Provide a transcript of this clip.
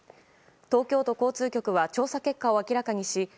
東京都交通局は調査結果を明らかにし